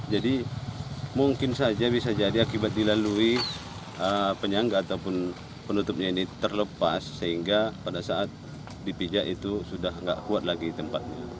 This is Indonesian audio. jadi mungkin saja bisa jadi akibat dilalui penyangga ataupun penutupnya ini terlepas sehingga pada saat dipijak itu sudah tidak kuat lagi tempatnya